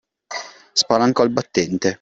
Spalancò il battente.